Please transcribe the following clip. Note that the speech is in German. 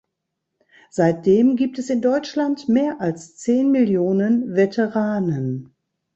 Seitdem gibt es in Deutschland mehr als zehn Millionen Veteranen.